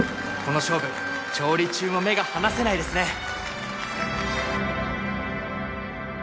この勝負調理中も目が離せないですね。